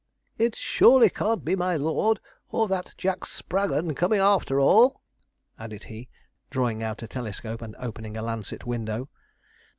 'It surely can't be my lord, or that Jack Spraggon coming after all?' added he, drawing out a telescope and opening a lancet window.